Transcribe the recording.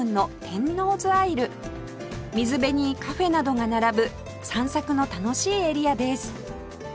水辺にカフェなどが並ぶ散策の楽しいエリアです